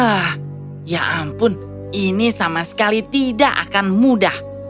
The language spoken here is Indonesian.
ah ya ampun ini sama sekali tidak akan mudah